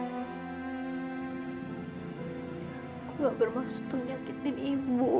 aku gak bermaksud menyakitin ibu